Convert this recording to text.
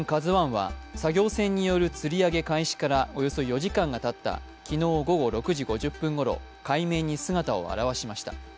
「ＫＡＺＵⅠ」は作業船によるつり上げ開始からおよそ４時間がたった昨日午後６時５０分ごろ、海面に姿を現しました。